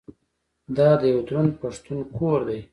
دا د یوه دروند پښتون کور دی.